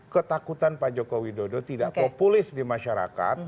ketakutan pak jokowi dodo tidak populis di masyarakat